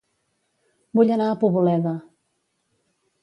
Vull anar a Poboleda